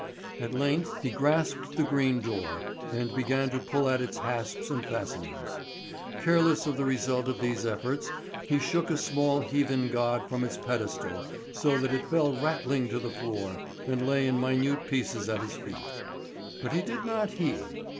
At length he grasped the green door and began to pull at its hasps and fastenings. Careless of the result of these efforts he shook a small heathen god from its pedestal so that it fell rattling to the floor and lay in minute pieces at his feet. But he did not heed.